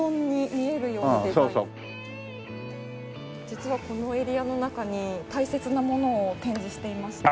実はこのエリアの中に大切なものを展示していまして。